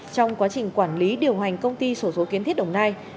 trong quá trình quản lý điều hành công ty sổ số kiến thiết đồng nai